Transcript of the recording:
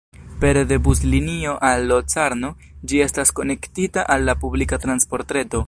Pere de buslinio al Locarno, ĝi estas konektita al la publika transportreto.